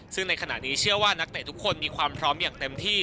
ซึ่งในขณะนี้เชื่อว่านักเตะทุกคนมีความพร้อมอย่างเต็มที่